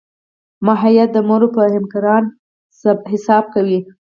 ماهویه د مرو پر حکمران حساب کوي.